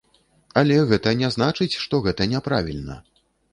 Але гэта не значыць, што гэта няправільна.